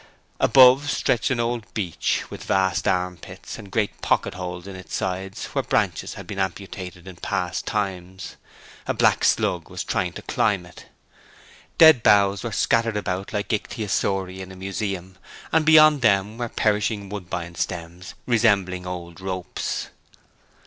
Above stretched an old beech, with vast armpits, and great pocket holes in its sides where branches had been amputated in past times; a black slug was trying to climb it. Dead boughs were scattered about like ichthyosauri in a museum, and beyond them were perishing woodbine stems resembling old ropes.